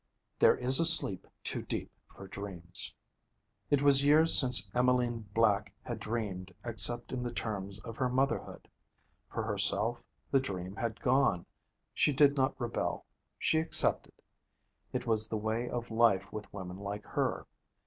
There is a sleep too deep for dreams. It was years since Emmeline Black had dreamed except in the terms of her motherhood. For herself, the dream had gone. She did not rebel. She accepted. It was the way of life with women like her.